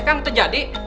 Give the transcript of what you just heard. eh kan itu jadi